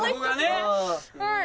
はい。